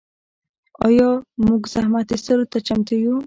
آیا موږ زحمت ایستلو ته چمتو یو؟